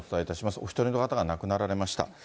お１人の方が亡くなられました。